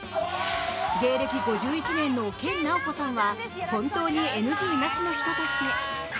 芸歴５１年の研ナオコさんは本当にＮＧなしの人として。